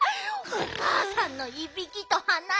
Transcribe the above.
おかあさんのいびきとはないき